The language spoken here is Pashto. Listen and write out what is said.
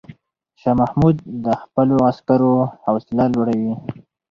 شاه محمود د خپلو عسکرو حوصله لوړوي.